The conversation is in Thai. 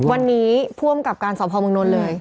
วันนี้ผู้อำกับการสอบภอมเมืองนนท์เลย